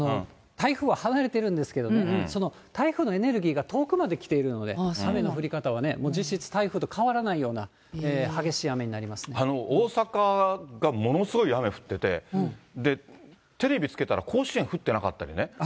台風は離れているんですけど、その台風のエネルギーが遠くまで来ているので、雨の降り方は、実質台風と変わらないような、激しい大阪がものすごい雨降ってて、テレビつけたら甲子園降ってなかったりね。